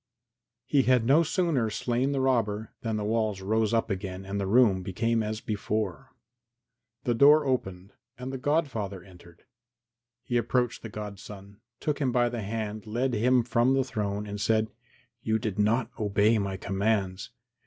VI He had no sooner slain the robber than the walls rose up again and the room became as before. The door opened and the godfather entered. He approached the godson, took him by the hand, led him from the throne and said, "You did not obey my commands.